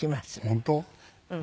本当？